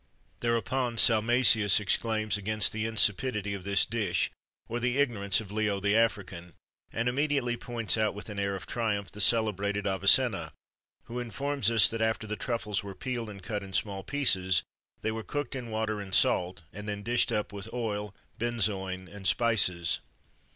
Thereupon Salmasius exclaims against the insipidity of this dish, or the ignorance of Leo the African; and immediately points out, with an air of triumph, the celebrated Avicenna, who informs us that, after the truffles were peeled and cut in small pieces, they were cooked in water and salt, and then dished up with oil, benzoin, and spices.